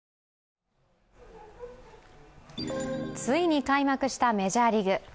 ついに開幕したメジャーリーグ。